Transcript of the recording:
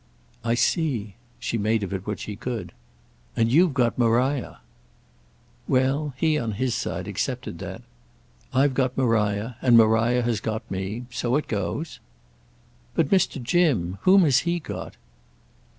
"I see"—she made of it what she could. "And you've got Maria." Well, he on his side accepted that. "I've got Maria. And Maria has got me. So it goes." "But Mr. Jim—whom has he got?"